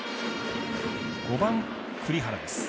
５番、栗原です。